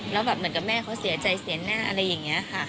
แล้วแบบเหมือนกับแม่เขาเสียใจเสียหน้าอะไรอย่างนี้ค่ะ